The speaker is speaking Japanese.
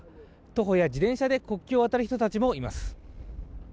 徒歩や自転車で国境を渡る人たちもいます。